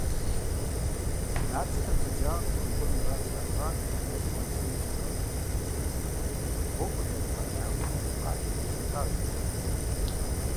Нартхэр бзаджагъэ къыхуекӏуэн мурад зэращӏар Уэзырмэдж дэнэ щищӏэнт – гъуэгур яригъэлъагъури, къалэм иришэлӏащ шу гупыр.